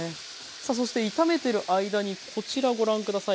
そして炒めてる間にこちらご覧下さい。